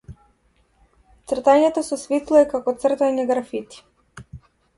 Цртањето со светло е како цртање графити.